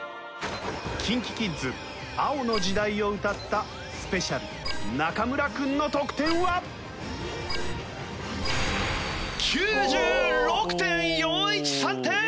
ＫｉｎＫｉＫｉｄｓ『青の時代』を歌ったＳｐｅｃｉａＬ中村君の得点は！？９６．４１３点！